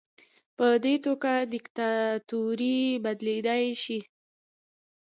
په دې توګه دیکتاتوري بدلیدلی شي.